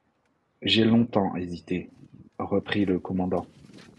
J’ai longtemps hésité, reprit le commandant.